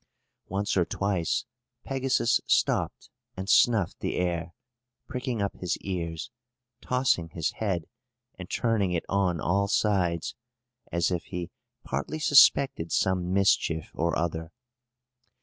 Once or twice, Pegasus stopped, and snuffed the air, pricking up his ears, tossing his head, and turning it on all sides, as if he partly suspected some mischief or other.